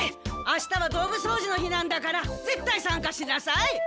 あしたはドブそうじの日なんだからぜったいさんかしなさい！